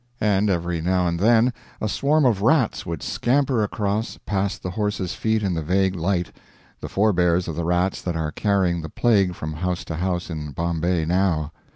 And every now and then a swarm of rats would scamper across past the horses' feet in the vague light the forbears of the rats that are carrying the plague from house to house in Bombay now.